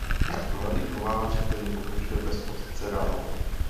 Mladý kovář tedy pokračuje bez otce dál.